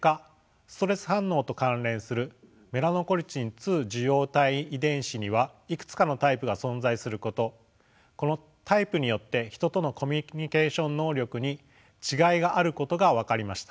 ２受容体遺伝子にはいくつかのタイプが存在することこのタイプによってヒトとのコミュニケーション能力に違いがあることが分かりました。